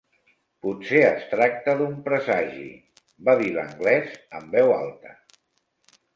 "Potser es tracta d'un presagi", va dir l'anglès en veu alta.